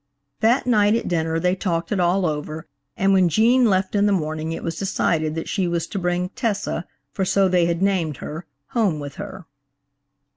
That night at dinner they talked it all over, and when Gene left in the morning it was decided that she was to bring "Tessa"–for so they had named her–home with her.